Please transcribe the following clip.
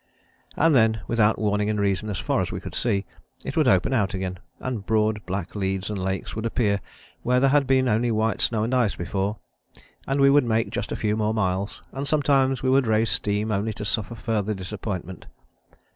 " And then without warning and reason, as far as we could see, it would open out again, and broad black leads and lakes would appear where there had been only white snow and ice before, and we would make just a few more miles, and sometimes we would raise steam only to suffer further disappointment.